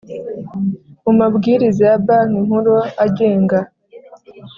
mu mabwiriza ya Banki Nkuru agenga